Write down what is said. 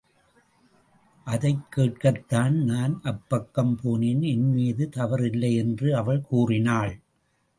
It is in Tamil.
அதைக் கேட்கத்தான் நான் அப்பக்கம் போனேன் என்மீது தவறில்லை என்று அவள் கூறினாள்.